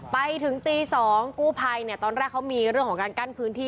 ไปถึงตี๒กู้ภัยตอนแรกเขามีเรื่องของการกั้นพื้นที่